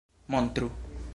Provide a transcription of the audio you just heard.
montru